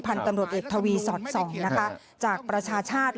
พันธุ์ตำรวจเอกทวีสอด๒จากประชาชาติ